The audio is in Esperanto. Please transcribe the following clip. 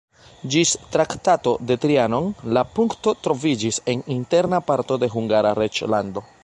Ĝis Traktato de Trianon la punkto troviĝis en interna parto de Hungara reĝlando.